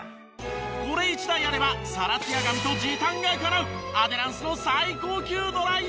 これ一台あればサラツヤ髪と時短がかなうアデランスの最高級ドライヤーなんです。